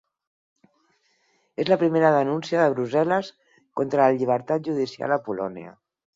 És la primera denúncia de Brussel·les contra la llibertat judicial a Polònia